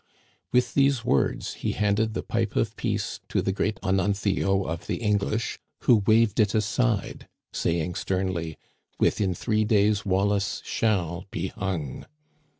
With these words he handed the pipe of peace to the Great Ononthio of the English, who waved it aside, saying sternly, * Within three days Wallace shall be hung.'